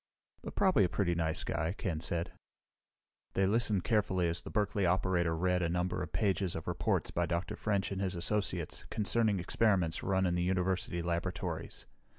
"But probably a pretty nice guy," Ken said. They listened carefully as the Berkeley operator read a number of pages of reports by Dr. French and his associates, concerning experiments run in the university laboratories.